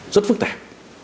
rất phức tạp